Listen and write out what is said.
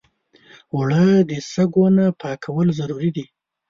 اوړه د شګو نه پاکول ضروري دي